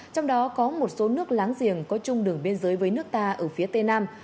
trong đó có một số nước láng giềng có chung đường biên giới với nước ta ở phía tây nam